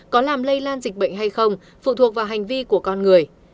có làm lây lan dịch bệnh hay không phụ thuộc vào hành vi của con người